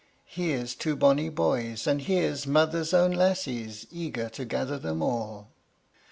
Here's two bonny boys, and here's mother's own lasses, Eager to gather them all.